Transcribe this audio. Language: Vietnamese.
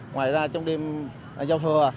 ngoài ra trong đêm giao thừa